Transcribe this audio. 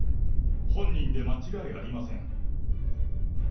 本人で間違いありません。